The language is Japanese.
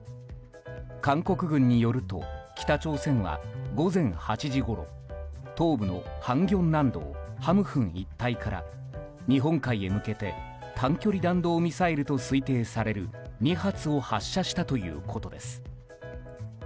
韓国軍によると北朝鮮は午前８時ごろ東部のハムギョン南道ハムフン一帯から日本海へ向けて短距離弾道ミサイルと推定される２発を発射したということです。